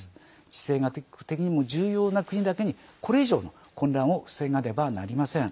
地政学的にも重要な国だけにこれ以上の混乱を防がねばなりません。